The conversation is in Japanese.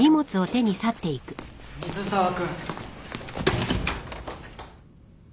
水沢君。